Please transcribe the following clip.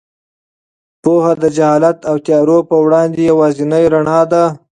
پوهه د جهالت او تیارو په وړاندې یوازینۍ رڼا ده.